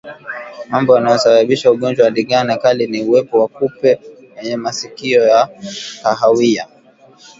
Mambo yanayosababisha ugonjwa wa ndigana kali ni uwepo wa kupe wenye masikio ya kahawia